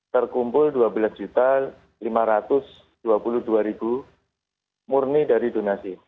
terkumpul dua belas lima ratus dua puluh dua murni dari donasi